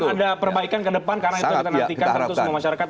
kita perbaikan ke depan karena itu yang kita nantikan